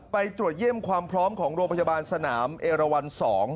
ไปตรวจเยี่ยมความพร้อมของโรงพยาบาลสนามเอราวัน๒